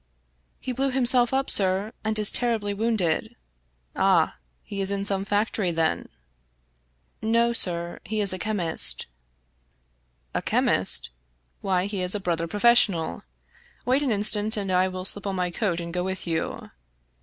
He blew himself up, sir, and is terribly wounded." " Ah ! He is in some factory, then ?"" No, sir, he is a chemist." " A chemist ? Why, he is a brother professional. Wait an instant, and I will slip on my coat and go with you.